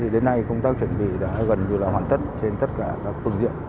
đến nay công tác chuẩn bị đã gần như hoàn tất trên tất cả các phương diện